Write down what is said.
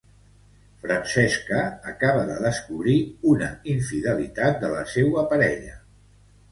Francisca acaba de descobrir una infidelitat de la seua parella.